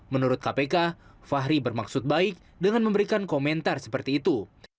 menurut kpk fahri bermaksud baik dengan memberikan komentar seperti itu